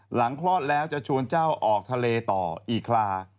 คลอดแล้วจะชวนเจ้าออกทะเลต่ออีคลา